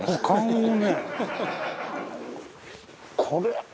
これ。